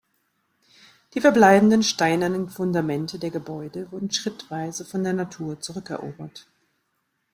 Die verbleibenden steinernen Fundamente der Gebäude wurden schrittweise von der Natur zurückerobert.